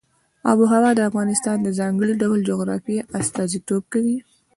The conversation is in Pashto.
آب وهوا د افغانستان د ځانګړي ډول جغرافیه استازیتوب کوي.